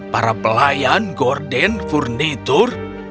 para pelayan gorden furnitur